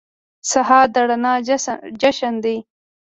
سهار د رڼا جشن دی.